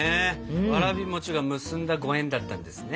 わらび餅が結んだご縁だったんですね。